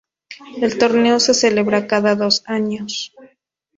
El torneo se celebra cada dos años.